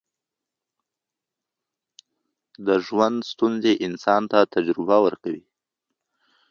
د ژوند ستونزې انسان ته تجربه ورکوي.